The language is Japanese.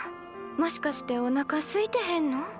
もしかしておなかすいてへんの？